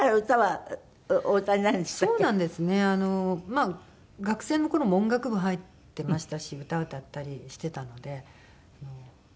まあ学生の頃も音楽部入ってましたし歌歌ったりしてたのでもうずっとその。